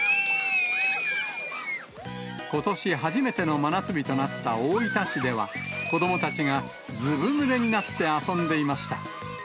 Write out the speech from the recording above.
ことし初めての真夏日となった大分市では、子どもたちがずぶぬれになって遊んでいました。